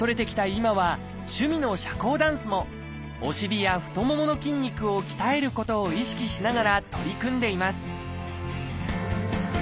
今は趣味の社交ダンスもお尻や太ももの筋肉を鍛えることを意識しながら取り組んでいます